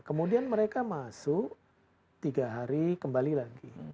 kemudian mereka masuk tiga hari kembali lagi